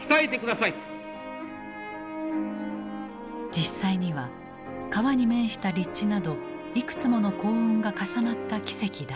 実際には川に面した立地などいくつもの幸運が重なった奇跡だった。